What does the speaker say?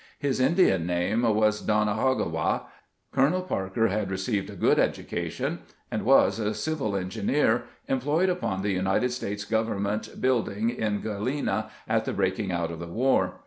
His Indian name was Done hogawa. Colonel Parker had received a good education, and was a civil engineer employed upon the United States government building in Gralena at the breaking out of the war.